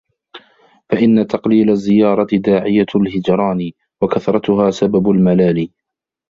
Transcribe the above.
فَإِنَّ تَقْلِيلَ الزِّيَارَةِ دَاعِيَةُ الْهِجْرَانِ ، وَكَثْرَتَهَا سَبَبُ الْمَلَالِ